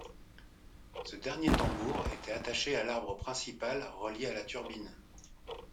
Ce dernier tambour était attaché à l'arbre principal relié à la turbine.